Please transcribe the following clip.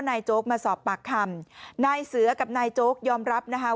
โจ๊กมาสอบปากคำนายเสือกับนายโจ๊กยอมรับนะคะ